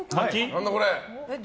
何だこれ。